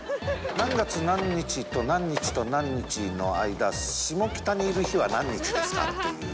「何月何日と何日と何日の間下北にいる日は何日ですか？」っていう。